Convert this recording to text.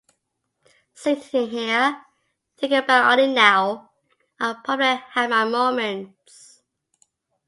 Sitting here, thinking back on it now, I probably had my moments.